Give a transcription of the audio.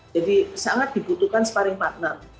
jadi sangat dibutuhkan sparring partner